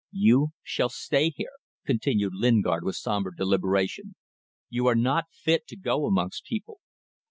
"You shall stay here," continued Lingard, with sombre deliberation. "You are not fit to go amongst people.